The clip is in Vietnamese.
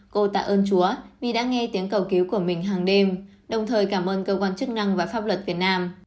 cô tạ ơn chúa vì đã nghe tiếng cầu cứu của mình hàng đêm đồng thời cảm ơn cơ quan chức năng và pháp luật việt nam